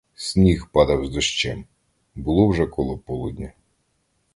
Сніг падав з дощем; було вже коло полудня.